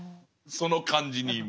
その感じに今。